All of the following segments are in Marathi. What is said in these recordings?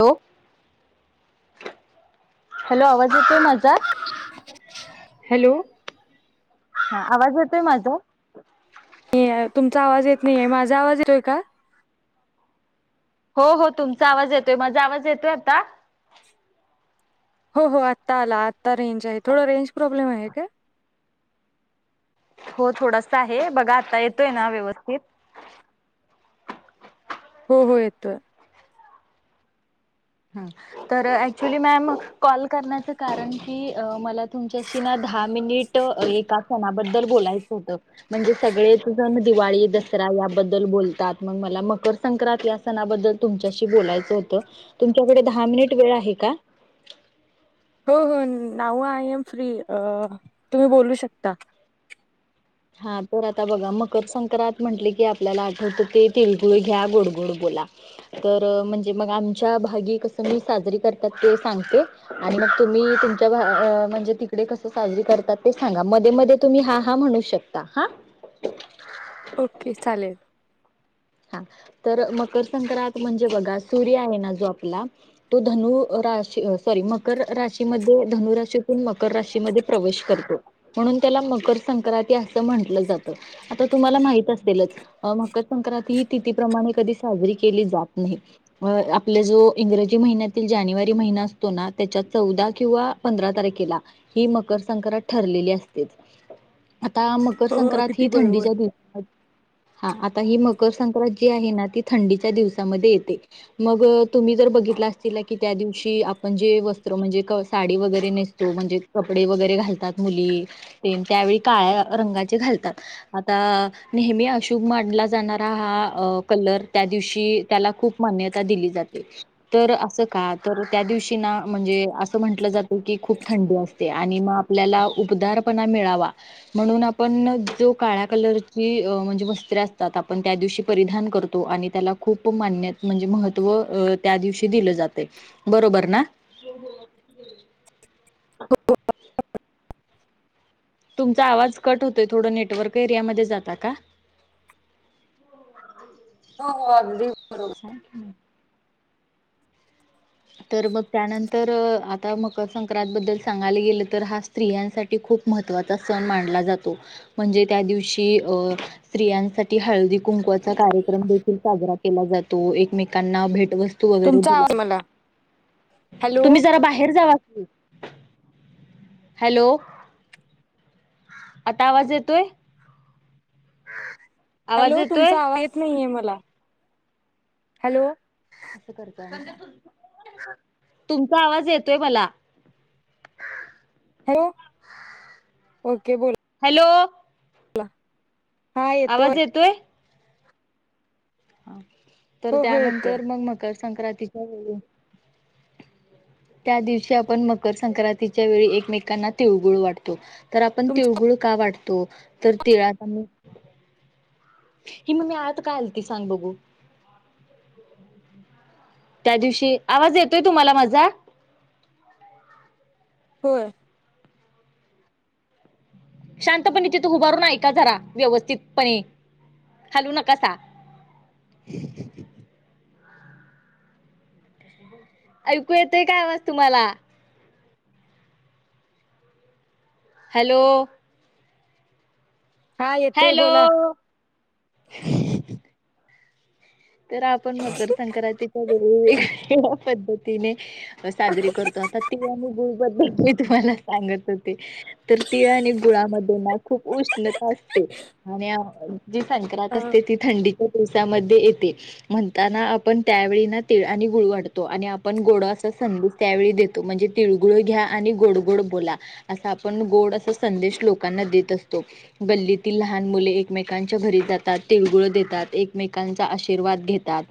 हो हॅलो आवाज माझा? हॅलो हा आवाज येतोय माझा तुमचा आवाज येत नाहीे माझा आवाज येतोय का हो हो तुमचा आवाज येतोय माझा आवाज येतोय आता हो हो आत्ता आला आता रेंज आहे थोडं रेंज प्रॉब्लेम आहे काय हो थोडस आहे बघा आता येतोय ना व्यवस्थित [inaudible] हो हो येतोय. एक्च्युली मॅम कॉल करण्याच कारण की मला तुमच्याशी दहा मिनिट एका सणाबद्दल बोलायचं होत म्हणजे सगळेच जण दिवाळी, दसरा याबद्दल बोलतात मग मला मकर संक्रांत या सणाबद्दल तुमच्याशी बोलायचं होत तुमच्याकडे दहा मिनिट वेळ आहे का हो हो नाव आय एम फ्री तुम्ही बोलू शकता हा तर आता बघा मकर संक्रांत म्हटले की आपल्याला आठवतं ते तिळगुळ घ्या गोड गोड गोड ला तर म्हणजे मग आमच्या भागी कस मी साजरी करतात ते सांगते आणि तुम्ही तुमच्या म्हणजे तिकडे कसं साजरी करतात ते सांगा मध्ये मध्ये तुम्ही हा हा म्हणू शकता ता हा ओके चालेल हा तर मकर संक्रांत म्हणजे बघा सूर्य आहे ना जो आपला तो धनु राशी सॉरी मकर राशीमधे धनु राशीतून मकर राशीमध्ये प्रवेश करतो म्हणून त्याला मकर संक्रांती अस म्हंटलं जात आता तुम्हाला माहित असेल मकर संक्रांत. ती तिथी प्रमाणे कधी साजरी केली जात नाही आपल्या जो इंग्रजी महिन्यातील जानेवारी महिना असतो ना त्याच्या चौदा किंवा पंधरा तारखेला ही मकर संक्रांत ठरलेली असते. आता मकर हो संक्रांती अगदी ही बरोबर थंडीच्या दिवस हा आता ही म मकर संक्रांत जी आहे ना, ती थंडीच्या दिवसामध्ये येते मग तुम्ही जर बघितला असचीला की त्या दिवशी आपण जे वस्त्र म्हणजे साडी वगैरे नेसतो म्हणजे कपडे वगैरे घालतात मुली तेन त्यावेळी काळ्या रंगाचे घालतात आता नेहमी अशुभ मानला जाणारा हा कलर त्या दिवशी त्याला खूप मान्यता दिली जाते तर अस का? तर त्या दिवशी ना म्हणजे असं म्हंटलं जातं की खूप थंडी असते आणि मग आपल्याला उपदार पणा मिळावा म्हणून आपण जो काळा कलरची म्हणजे वस्त्रे असतात आपण त्या दिवशी परिधान करतो आणि त्याला खूप मान्य म्हणजे महत्त्व त्या दिवशी दिलं जातंय. बरोबर ना. हो हो अगदी बरोबर हो तुमचा आवाज कट होतोय थोडं नेटवर्क एरियामध्ये जाता का? हो हो हो अगदी सांग की मग तर मग त्यानंतर आता मकर संक्रांत बद्दल सांगायला गेलं तर हा स्त्रियांसाठी खूप खूप महत्वाचा सण मानला जातो म्हणजे त्या दिवशी स्त्रियांसाठी हळदीकुंकू कुंकवाचा कार्यक्रम देखील साजरा केला जातो, एकमेकांना भेटवस्तू वस्तू वगैरे तुमचा दिल्या आवाज मला हॅलो तुम्ही जरा बाहेर जावा की हॅलो आता आवाज येतोय [unintelligible] आवाज हॅलो येतोय तुमचा आवाज येत नाहीये मला हॅलो करतय तुमचा आवाज येतोय मला [unintelligible] हॅलो ओके बोल हॅलो बोला आवाज येतोय हा तर हो हो येतोय त्यानंतर मग मकर संक्रांतीच्या वेळी त्या दिवशी आपण मकर संक्रांतीच्या वेळी एकमेकांना तिळगुळ वाटतो. तर आपण तुमचा तिळगुळ का वाटतो? तर तिळात हि मम्मे आत का आलती सांग बघू? त्या दिवशी आवाज येतोय तुम्हाला माझा होय शांतपणे तिथं उभारून ऐका जरा व्यवस्थितपणे हालू नकासा ऐकू येतोय काय आवाज तुम्हांला? हॅलो हा येतोय हॅलो बोला तर आपण मकर संक्रांतीच्या वेगवेगळ्या पद्धतीने साजरी करतो आता तिळ आणि गुळ बद्दल मी तुम्हांला सांगत होते तर तीळ आणि गुळामध्ये ना खूप उष्णता असते आणि जी संक्रांत असते ती थंडीच्या दिवसामध्ये येते. म्हणताना आपण त्यावेळी ना तीळ आणि गुळ वाढतो आणि आपण गोड अस संदेश त्यावेळी देतो. म्हणजे तिळगुळ घ्या आणि गोड गोड बोला अस आपण गोड असा संदेश लोकांना देत असतो. गल्लीतील लहान मुले एकमेकांच्या घरी जातात तिळगुळ देतात एकमेकांचा आशिर् शिर्वाद घेतात.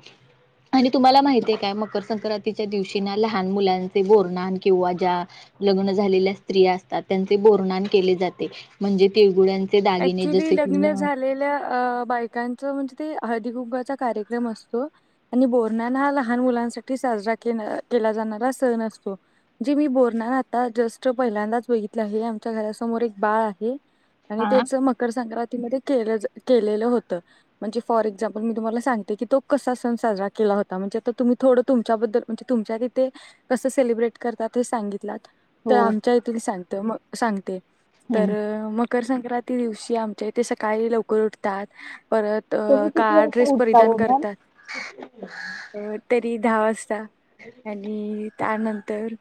आणि तुम्हांला माहिती आहे काय मकर संक्रांतीच्या दिवशी ना लहान मुलांचे बोरन्हाण किंवा ज्या लग्न झालेल्या स्त्री असतात, त्यांचे बोरनान केले जाते, म्हणजे तिळगुळ्यां- अक्च्युली लग्न झालेल्या बायकांच म्हणजे- हळदी कुंकूचा कार्यक्रम असतो आणि बोरन्हान हा लहान मुलांसाठी साजरा केला केला जाणारा सण असतो, जे बोरन्हान आता जस्ट पहिल्यांदाच बघीतला आहे, आमच्या घरासमोर - बाळ आहे आणि हा त्याच मकर संक्रांती मधे- केलेलं होत, म्हणजे फॉर एक्झमपल मी तुम्हाला सांगते की तो कसा सण साजरा केला होता- [unintelligible] तुम्ही थोडं तुमच्या बद्दल तुमच्या येते कसं सेलब्रट करतात हे सांग तर हो आमच्या येथ सांगते, म सांगते तर हम्म म- मकर संंक्रांती दिवशी आमचे ते सकाळी लवकर उठतात, - परत तुम्ही किती काळा वाजता ड्रेस उठता परिधान ओ मॅम करतात, तरी दहा वाजता आणि त्यानंतर-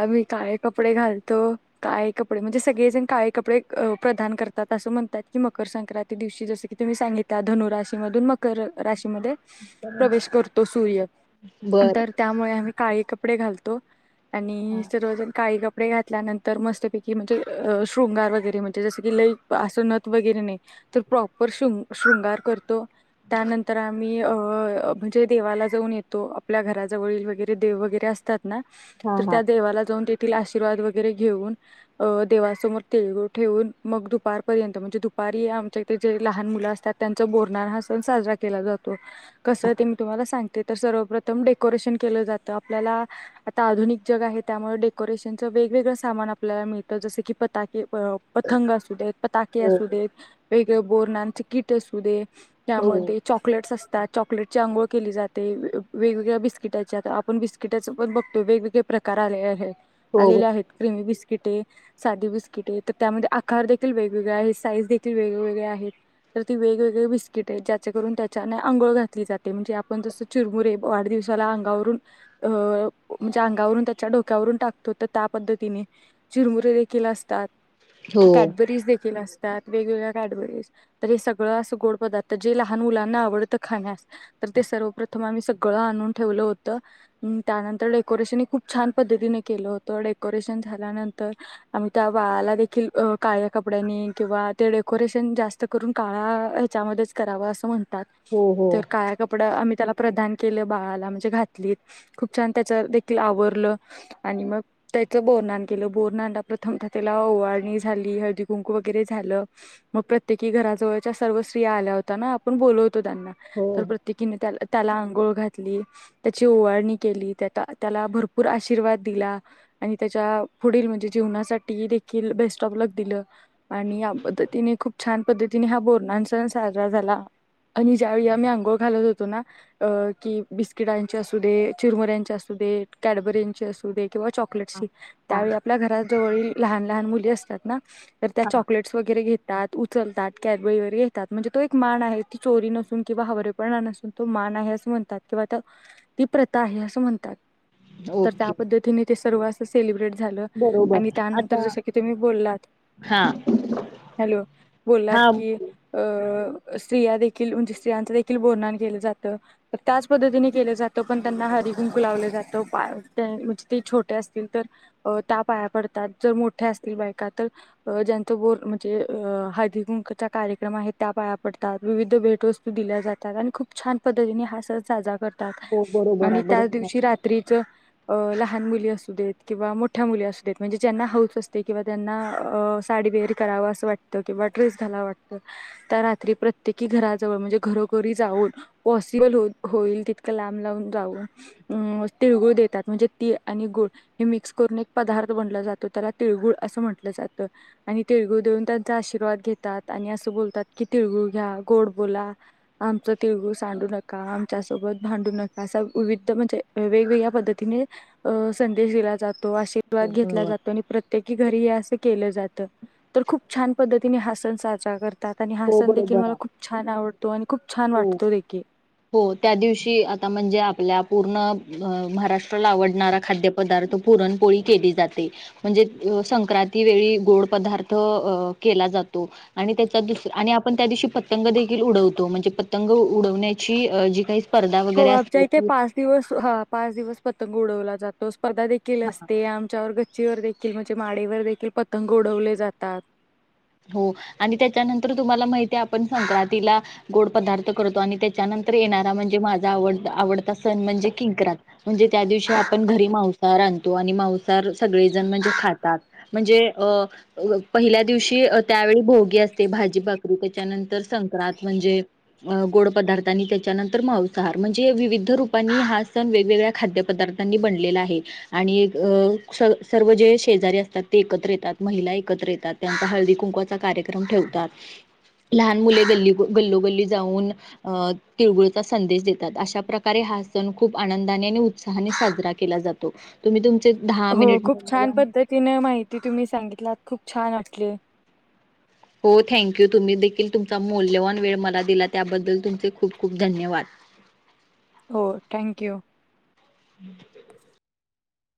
आ मी काळे कपडे घालतो, काळे कपडे म्हणजे सगळेजण काळे कपडे- प्रदान करतात असं म्हणतात की, मकर संक्रांती दिवशी जसं की तुम्ही सांगितला धनुराशीमधून मकर- राशीमध्ये प्रवेश करतो सूर्य बर तर त्यामुळे आम्ही- काळी कपडे घालतो आणि सर्वजन काळी कप- कपडे घातल्यानंतर मस्तपैकी म्हणजे शृंगार वगैरे म्ह जस की लई आसणत वगैरे नाही, तर प्रॉपर शंग शृंगार करतो- त्यानंतर आम्ही- म म्हणजे देवाला जाऊन येतो, आपल्या घराजवळील वगैरे देव वगैरे असतात तर ना हा हा त्या देवाला जाऊन तेथील आशीर्वाद वगैरे घेऊन अ देवासमोर तिळगुळ - ठेवून मग दुपारपर्यंत म्हणजे, दुपारी आमच्या इथे जे लहान मुलं असतात, त्यांचा बोरणारा हा सण साजरा- केला जातो, कसं ते मी तुम्हाला सांगते तर सर्वप्रथम डेकोरेशन के जात आपल्याला- आता आधुनिक जग आहे, त्यामुळे डेकोरेशनचं वेगवेगळं सामान आपल्याला मिळतं जसं की, पताके पतंग असू देत, पताके हो असू देत, वेगवेगळ बोरन्हानच कीट असू दे- हो त्यामध्ये चॉकलेट्स असतात- चॉकलेट ची आंघोळ केली जाते, वेगवेगळ्या बिस्किटाचे आपण बिस्किटाच पण बघतो वेगवेगळे प्रकार- [unintelligible] हो आलेले आहेत क्रीम बिस्किटे, साधे बिस्किटे, त्यामध्ये आकार देखील वेगवेगळे आहेत, साईज देखील वेगवेगळे आहेत, तर ती वेगवेगळे बिस्किट आहे ज्याच्या त्याने आंघोळ घातली जाते, म्हणजे आपण जस चरमुरे वाढदिवसाला अंगावरून- म्हणजे अंगावरून त्याच्या डोक्यावरून टाकतो, तर त्या पद्धतीने चिरमुरे देखील असतात- हो कॅडबरीज देखील असते, - वेगवेगळ्या कॅडबरीज, तर हे सगळं असं गोड पदार्थ जे लहान मुलांना आवडतं खाण्यास- तर ते सर्वप्रथम आम्ही सगळं आणून ठेवलं होतं, त्यानंतर डेकोरेशन हे खूप छान पद्धतीने केल होत, डेकोरेशन झाल्यानंतर आम्ही त्या बाळाला- देखील काळ्या कपड्यांनी किंवा ते डेकोरेशन जास्त करून काळा ह्याच्यामध्ये करावा असं म्हण तात, हो हो तर काळा कप- ड आम्ही त्याला प्रदान केलं बाळाला म्हणजे घातली खूप छान त्याच देखील आवरलं आणि मग त्याचं बोरनान केलं बोरनान प्रथम त्याला ओळ- झाली, हळदी कुंकू वगैरे झालं, मग प्रत्येकी घराजवळच्या सर्व स्त्रिया आल्या होत्या ना आपण बोल- त्यांना हो तर प्रत्येकीने- त्याला आंघोळ घातली, त्याची ओवारणी केली, त्या त्याला भरपूर आशीर्वाद दिला. आणि त्याच्या पुढील म्हणजे जीवनासाठी देखील बेस्ट आँफ लक दिलं आणि या पद्धतीने खूप छान पद्धतीने हा बोरन्हान सण साजरा झाला. आणि ज्यावेळी मी आंघोळ घालत होतो ना, की बिस्किटांचे असू दे, चिरमुऱ्यांचे असू दे- कॅडबरीचे असू दे किंवा हा चॉकलेटची- हा त्यावेळी आपल्या घरात जव लहान लहान मुली असतात ना, तर त्या हा चॉकलेट्स वगैरे घेत उचलतात कॅद वगैरे येतात, म्हणजे तो एक मान आहे ती चोरी नसून किंवा हवरेपणा नसून तो मान- आहे असं म्हणतात किंवा ती प्रथा आहे असं म्हणतात. तर त्या ओके पद्धतीने ते सर्व अस सेलिब्रेट झालं आणि बरोबर त्यानंतर आता जस की तुम्ही- बोललात, हा हँलो? बोललात हा की, - स्त्रिया देखील, म्हणजे स्त्रियांच देखील बोरन्हान केलं जातं त्याच पद्धतीने केलं जात त्यांना हळदी कुंकू लावलं जातं, पाया म्हणजे ते छोटे असतील तर त्या पाया पडतात. जर मोठ्या असतील बाई काय तर ज्यांचं गोड म्हणजे अ हळदी कुंकवाचा कार्यक्रम आहे त्या पाया पडतात. भेटवस्तू दिल्या जातात आणि खूप छान पद्धतीने हा सण साजरा करतात. हो बरोबर आणि आहे त्याच बरोबर आहे दिवशी रात्रीच लहान मुली असू देत किंवा मोठ्या मुली असू देत म्हणजे ज्यांना हाऊस असते किंवा त्यांना साडी वेअर करावंस वाटते, त्यांना ड्रेस घालावा वाटतो रात्री प्रत्येक घराजवळ म्हणजे घरोघरी जाऊन पॉसिबल होईल तितकं लांब लांब जाऊन तिळगूळ देतात म्हणजे तीळ आणि गुळ हे मिक्स करून एक पदार्थ बनला जातो त्याला तिळगूळ असं म्हटलं जातं आणि तिळगूळ देऊन त्यांचा आशीर्वाद घेतात आणि असं बोलतात की तिळगूळ घ्या गोड बोला, आमच तिळगूळ सांडू नका, आमच्यासोबत भांडू नका, असा विविध म्हणजे वेगवेगळ्या पद्धतीने संदेश दिला जातो आशीर्वाद हो घेतला बरोबर आहे जातो आणि प्रत्येक घरी अस केलं जात, तर खूप छान पद्धतीने हा सण साजरा कर खातात आणि हा हो सण देखील बरोबर मला आहे खूप छान आवडतो आणि खूप छान हो वाटतो देखील. हो त्या दिवशी आता म्हणजे आपल्या पूर्ण महाराष्ट्राला आवडणारा खाद्यपदार्थ पुरणपोळी केली जाते म्हणजे संक्रांती वेळी गोड पदार्थ केला जातो, आणि त्याचा दुसरा आणि अशी पतंग देखील उडवतो, म्हणजे पतंग उडवण्याची जी काही स्पर्धा हो वगैरे आमच्या असते इथे ती पाच दिवस, हा पाच दिवस पतंग उडवला जातो. स्पर्धा देखील असते आमच्यावर गच्चीवर देखील म्हणजे माडीवर देखील पतंग उडवले जातात. हो आणि त्याच्यानंतर तुम्हाला माहिती आहे आपण संक्रांतीला गोड पदार्थ करतो आणि त्याच्यानंतर येणारा म्हणजे माझा आवडता सण म्हणजे किंक्रात म्हणजे त्या दिवशी आपण घरी मांसाहार माणसं हर सगळेजण खातात. कि, त्यावेळी भोगी असते, भाजी भाकरी त्याच्यानंतर संक्रांत म्हणजे गोड पदार्थ आणि त्याच्यानंतर मांसाहार म्हणजे विविध रूपांनी हा सण वेगवेगळ्या खाद्यपदार्थांनी बनलेला आहे. आणि सर्व जे शेजारी असतात ते एकत्र येतात महिला एकत्र येतात त्यांचा हळदी हळदि कुंकाचा कार्यक्रम ठेवतात. लहान मुले गल्ली गल्लोगल्ली जाऊन अ तिळगुळचा संदेश देतात अशा प्रकारे हा सण खूप आनंदाने आणि उत्साहाने साजरा केला जातो तुम्ही तुम हो खूप छान पद्धतीने माहिती तुम्ही सांगितलात, खूप छान वाटले. हो थँक्यू तुम्ही देखील तुमचा मौल्यवान वेळ मला दिला त्याबद्दल तुमचे खूप खूप धन्यवाद. ह [unintelligible] हो थँक्यू.